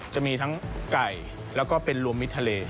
จะมีทั้งไก่แล้วก็เป็นรวมมิดทะเล